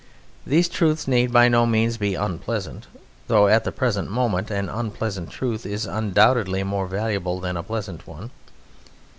These truths need by no means be unpleasant, though at the present moment an unpleasant truth is undoubtedly more valuable than a pleasant one.